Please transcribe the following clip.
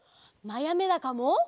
まやめだかも！